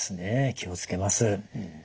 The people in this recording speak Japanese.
気を付けます。